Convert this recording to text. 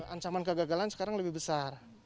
ancaman kegagalan sekarang lebih besar